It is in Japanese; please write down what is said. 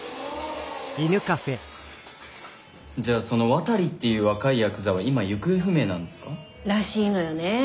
じゃあその「渡」っていう若いヤクザは今行方不明なんですか？らしいのよねぇ。